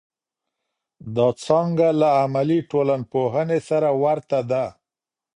دا څانګه له عملي ټولنپوهنې سره ورته ده.